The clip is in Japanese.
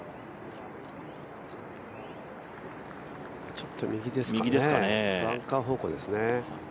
ちょっと右ですかね、バンカー方向ですね。